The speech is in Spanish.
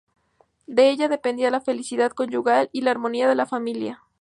De ella dependía la felicidad conyugal y la armonía de la familia.